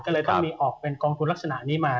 ก็เลยต้องมีออกเป็นกองทุนลักษณะนี้มา